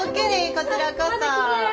こちらこそ。